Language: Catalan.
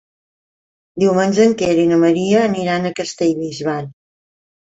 Diumenge en Quer i na Maria aniran a Castellbisbal.